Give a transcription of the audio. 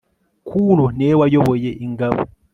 Kuro ni we wayoboye ingabo